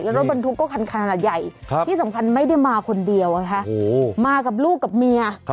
รถบรรทุกก็คันขนาดใหญ่ที่สำคัญไม่ได้มาคนเดียวมากับลูกกับเมีย